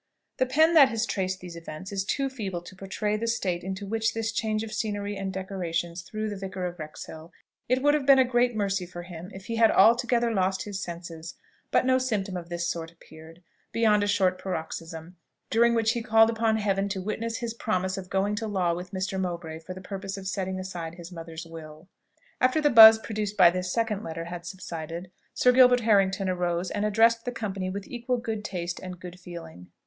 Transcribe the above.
The pen that has traced these events is too feeble to portray the state into which this change of scenery and decorations threw the Vicar of Wrexhill. It would have been a great mercy for him if he had altogether lost his senses; but no symptom of this sort appeared, beyond a short paroxysm, during which he called upon Heaven to witness his promise of going to law with Mr. Mowbray for the purpose of setting aside his mother's will. After the first buzz produced by this second lecture had subsided, Sir Gilbert Harrington arose and addressed the company with equal good taste and good feeling.